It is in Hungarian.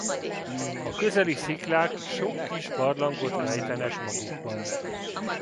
A közeli sziklák sok kis barlangot rejtenek magukban.